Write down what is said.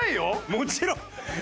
もちろん！